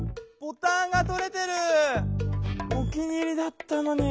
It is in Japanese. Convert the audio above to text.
お気に入りだったのに。